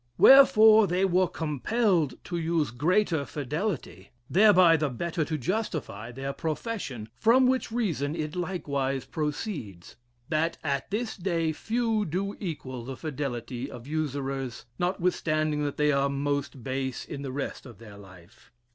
Wherefore they were compelled to use greater fidelity, thereby the better to justify their profession, from which reason it likewise proceeds, that at this day few do equal the fidelity of usurers, notwithstanding they are most base in the rest of their life.